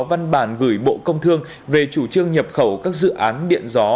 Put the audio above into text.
văn bản gửi bộ công thương về chủ trương nhập khẩu các dự án điện gió